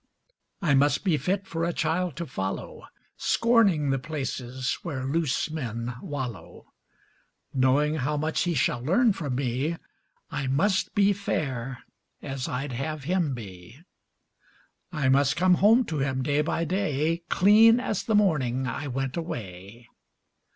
I must be fit for a child to follow, Scorning the places where loose men wallow; Knowing how much he shall learn from me, I must be fair as I'd have him be; I must come home to him, day by day, Clean as the morning I went away.